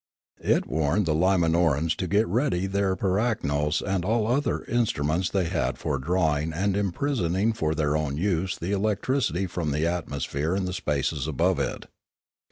It warned the Limanoraus to get ready their piraknos and all other instruments they had for drawing and imprisoning for their own use the elec tricity from the atmosphere and the spaces above it.